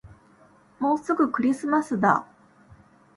もうすぐクリスマスだ